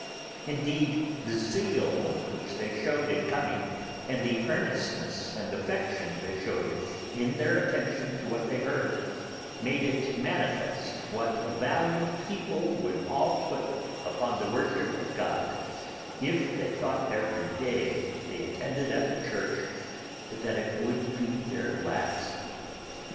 Indeed, the zeal which they showed in coming, and the earnestness and affection they showed in their attention to what they heard, made it manifest what a value people would all put upon the worship of God if they thought every day they attended at the church that it would be their last.